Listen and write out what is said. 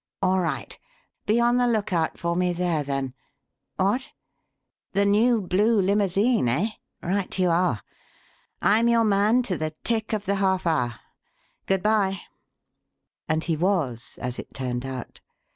All right. Be on the lookout for me there, then. What? The new blue limousine, eh? Right you are. I'm your man to the tick of the half hour. Good bye!" And he was, as it turned out.